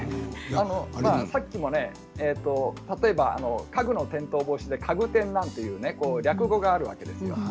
さっきもね、例えば家具の転倒防止で家具転なんていう略語があるわけですよ。